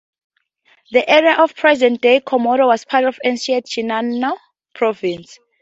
The area of present-day Komoro was part of ancient Shinano Province.